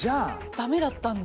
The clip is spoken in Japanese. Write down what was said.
駄目だったんだ。